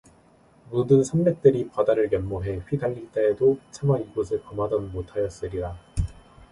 모든 산맥들이 바다를 연모해 휘달릴 때에도 차마 이곳을 범하던 못하였으리라.